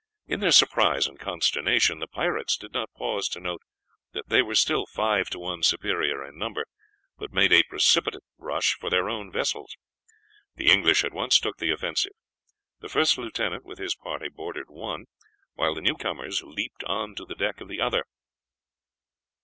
In their surprise and consternation the pirates did not pause to note that they were still five to one superior in number, but made a precipitate rush for their own vessels. The English at once took the offensive. The first lieutenant with his party boarded one, while the newcomers leaped on to the deck of the other.